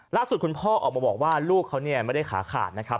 ล่าสุดคุณพ่อออกมาบอกว่าลูกเขาเนี่ยไม่ได้ขาขาดนะครับ